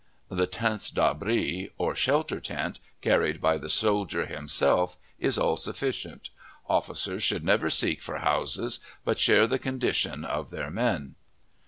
The tents d'abri, or shelter tent, carried by the soldier himself, is all sufficient. Officers should never seek for houses, but share the condition of their men.